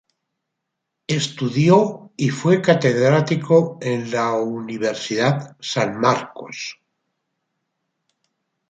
Estudió y fue catedrático en la Universidad San Marcos.